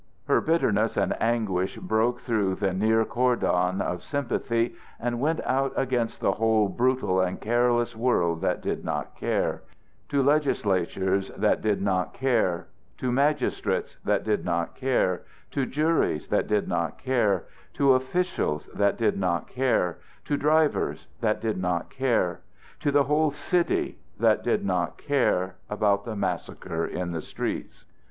Her bitterness and anguish broke through the near cordon of sympathy and went out against the whole brutal and careless world that did not care to legislatures that did not care, to magistrates that did not care, to juries that did not care, to officials that did not care, to drivers that did not care, to the whole city that did not care about the massacre in the streets.